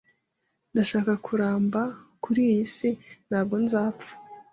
Ndashaka kuramba kuri iyisi ntabwo nzapfa